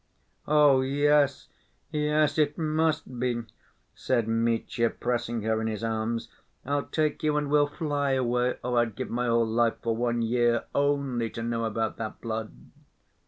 "Oh, yes, yes, it must be!" said Mitya, pressing her in his arms. "I'll take you and we'll fly away.... Oh, I'd give my whole life for one year only to know about that blood!"